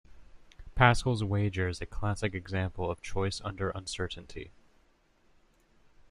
Pascal's Wager is a classic example of a choice under uncertainty.